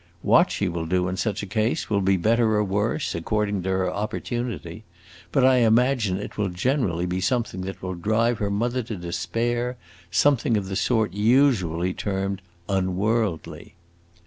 What she will do in such a case will be better or worse, according to her opportunity; but I imagine it will generally be something that will drive her mother to despair; something of the sort usually termed 'unworldly.